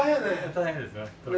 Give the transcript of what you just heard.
大変ですよ。